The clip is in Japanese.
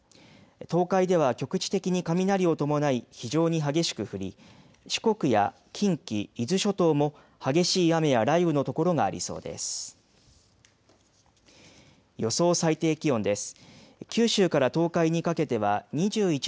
東海では局地的に雷を伴い非常に激しく降り四国や近畿伊豆諸島も激しい雨や雷雨の所がありそうです。